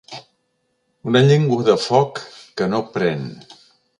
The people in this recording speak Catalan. Una llengua de foc que no pren.